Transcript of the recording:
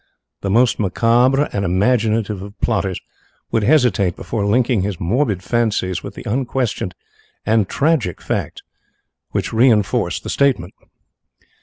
The most macabre and imaginative of plotters would hesitate before linking his morbid fancies with the unquestioned and tragic facts which reinforce the statement.